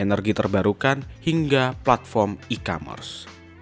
energi terbarukan hingga platform e commerce